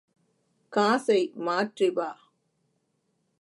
காசை மாற்றி வா.